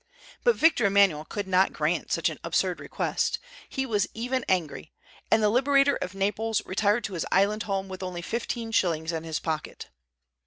But Victor Emmanuel could not grant such an absurd request, he was even angry; and the Liberator of Naples retired to his island home with only fifteen shillings in his pocket!